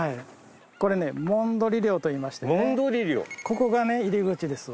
これねもんどり漁といいましてここが入り口です。